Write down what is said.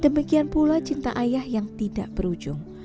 demikian pula cinta ayah yang tidak berujung